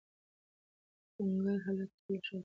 کنګل حالت ټولنه شاته بیایي